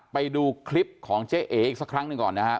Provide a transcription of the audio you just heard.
ไปดูคลิปของเจ๊เอ๋อีกสักครั้งหนึ่งก่อนนะครับ